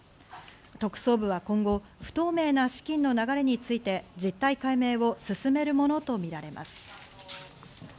特捜部は今後、不透明な資金の流れについて実態解明を進めるものとみられます。